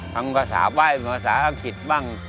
ภาษาไหว้ภาษาอังกฤษบ้าง